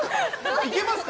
いけますか？